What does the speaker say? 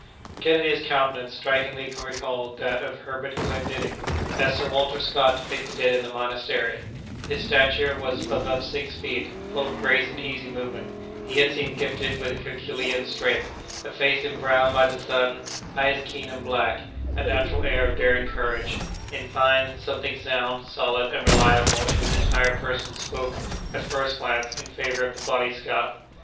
Kennedy's countenance strikingly recalled that of Herbert Glendinning, as Sir Walter Scott has depicted it in "The Monastery"; his stature was above six feet; full of grace and easy movement, he yet seemed gifted with herculean strength; a face embrowned by the sun; eyes keen and black; a natural air of daring courage; in fine, something sound, solid, and reliable in his entire person, spoke, at first glance, in favor of the bonny Scot.